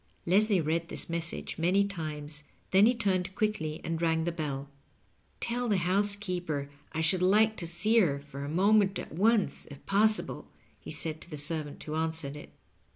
Leslie read this message many times, then he turned quickly and rang the beU. "Tell the housekeeper I should like to see her for a moment at once, if possible," he said to the servant who answered it.